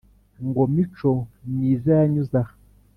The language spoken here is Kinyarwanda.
Ngo mico myiza yanyuze aha!